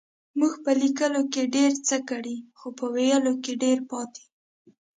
مونږ په لکيلو کې ډير څه کړي خو په ويلو کې ډير پاتې يو.